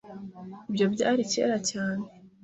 Ibyo byari kera cyane. .